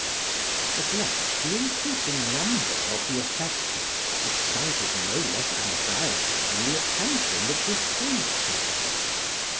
At length the increasing number of the affected excited no less anxiety than the attention that was paid to them.